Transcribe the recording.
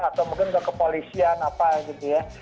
atau mungkin ke kepolisian apa gitu ya